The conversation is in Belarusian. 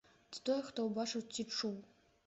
Ці тое хто бачыў ці чуў?